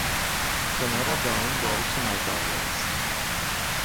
شما را در این باره چه نظری است؟